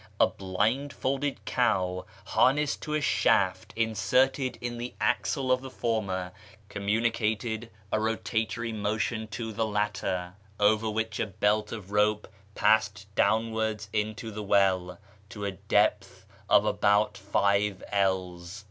A blindfolded cow harnessed to a shaft inserted in the axle of the former communicated a rotatory motion to the latter, over which a belt of rope passed down wards into the well, to a depth of about five ells.